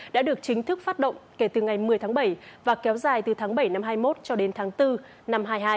đã được chính thức phát động kể từ ngày một mươi tháng bảy và kéo dài từ tháng bảy năm hai mươi một cho đến tháng bốn năm hai mươi hai